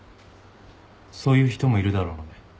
そういう人もいるだろうね。